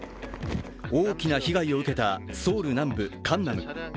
大きな被害を受けたソウル南部カンナム。